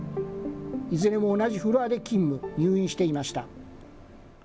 いずれも同じフロアで勤務、入院していました。